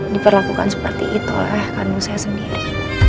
diperlakukan seperti itu oleh kandung saya sendiri